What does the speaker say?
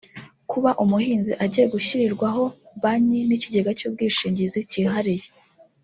Kuba umuhinzi agiye gushyirirwaho Banki n’ikigega cy’ubwishingizi cyihariye